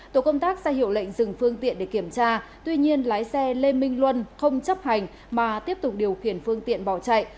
tổ công tác ra hiệu lệnh dừng phương tiện để kiểm tra tuy nhiên lái xe lê minh luân không chấp hành mà tiếp tục điều khiển phương tiện bỏ chạy